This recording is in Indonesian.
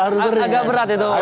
agak berat itu